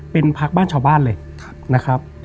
เป็นพักบ้านชาวบ้านเลยนะครับ